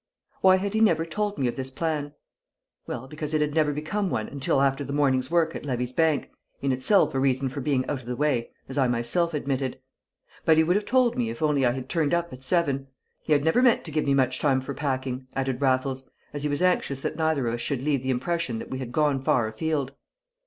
Why had he never told me of this plan? Well, because it had never become one until after the morning's work at Levy's bank, in itself a reason for being out of the way, as I myself admitted. But he would have told me if only I had turned up at seven: he had never meant to give me time for much packing, added Raffles, as he was anxious that neither of us should leave the impression that we had gone far afield.